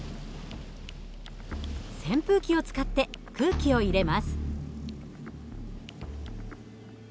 扇風機を使って空気を入れます。